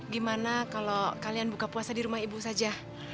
gimana kalau kalian buka puasa di rumah ibu saja